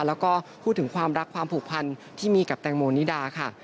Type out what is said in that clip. แล้วก็พูดถึงความรักความผูกพันที่มีกับแตงโมนิดาค่ะ